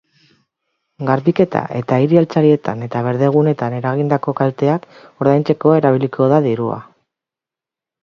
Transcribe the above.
Garbiketa eta hiri-altzarietan eta berdegunetan eragindako kalteak ordaintzeko erabiliko da dirua.